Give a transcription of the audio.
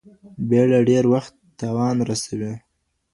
بېړه ډېر وخت تاوان رسوي.